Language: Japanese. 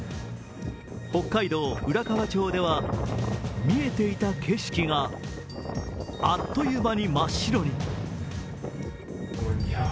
北海道浦河町では、見えていた景色があっという間に真っ白に。